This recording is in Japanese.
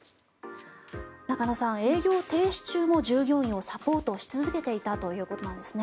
中野さん、営業停止中も従業員をサポートし続けていたということです。